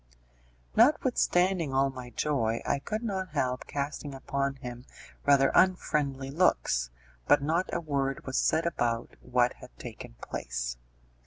Notwithstanding all my joy, I could not help casting upon him rather unfriendly looks, but not a word was said about what had taken place.